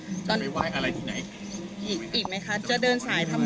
อีกไหมคะจะเดินสายทำบุญว่าที่ไหน